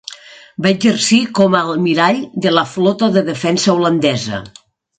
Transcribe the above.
Va exercir com a almirall de la Flota de Defensa holandesa.